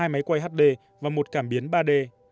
hai máy quay hd và một cảm biến ba d